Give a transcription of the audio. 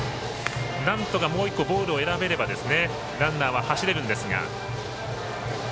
なんとかもう１個ボールを選べればランナーは走れるんですが。